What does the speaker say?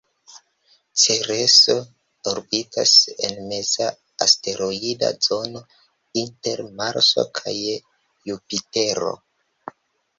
Cereso orbitas en meza asteroida zono, inter Marso kaj Jupitero.